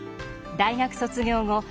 大学卒業後